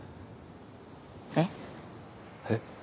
えっ？えっ。